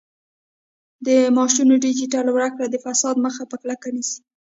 د معاشونو ډیجیټل ورکړه د فساد مخه په کلکه نیسي.